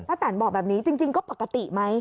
แตนบอกแบบนี้จริงก็ปกติไหม